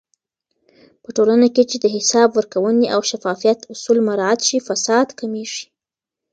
په ټولنه کې چې د حساب ورکونې او شفافيت اصول مراعات شي، فساد کمېږي.